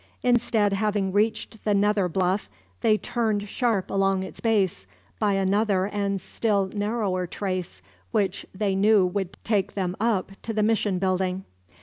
Instead, having reached the nether bluff, they turned sharp along its base, by another and still narrower trace, which they knew would take them up to the mission building.